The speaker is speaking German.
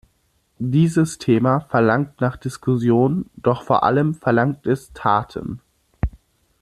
Dieses Thema verlangt nach Diskussion, doch vor allem verlangt es Taten.